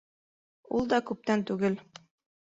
Ул да күптән түгел: